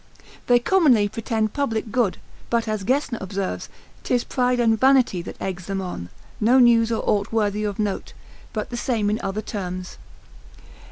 They commonly pretend public good, but as Gesner observes, 'tis pride and vanity that eggs them on; no news or aught worthy of note, but the same in other terms.